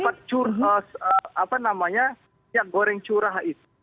mereka dapat curah apa namanya minyak goreng curah itu